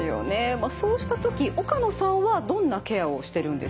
まあそうした時岡野さんはどんなケアをしてるんですか？